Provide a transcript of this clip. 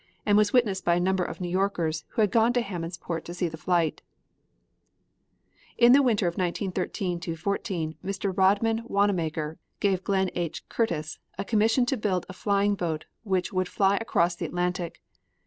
and was witnessed by a number of New Yorkers who had gone to Hammondsport to see the flight. In the winter of 1913 14 Mr. Rodman Wanamaker gave Glenn H. Curtiss a commission to build a flying boat which would fly across the Atlantic.